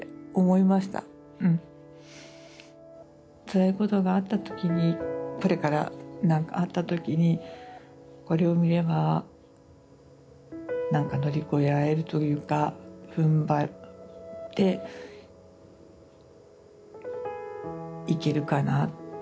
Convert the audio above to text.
つらいことがあった時にこれからあった時にこれを見れば何か乗り越えられるというかふんばっていけるかなっていう大きな糧になりましたね。